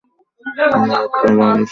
আমার হাত পা অবশ হয়ে গেছে।